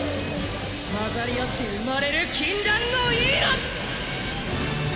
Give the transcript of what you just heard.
混ざり合って生まれる禁断の命！